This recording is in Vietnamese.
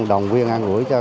đồng quyền an gũi cho